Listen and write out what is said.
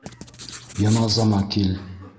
Йыназама кил.